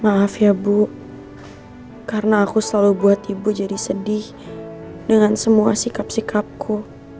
maaf ya bu karena aku selalu buat ibu jadi sedih dengan semua sikap sikapku